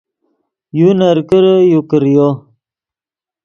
یو نرکرے یو کریو